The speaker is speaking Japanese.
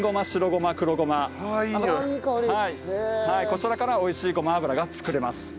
こちらから美味しいごま油が作れます。